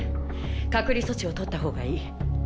隔離措置をとった方がいい。